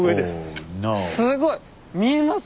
すごい見えます？